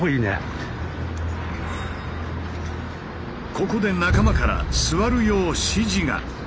ここで仲間から座るよう指示が。